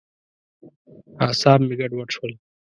اعصاب مې ګډوډ شول.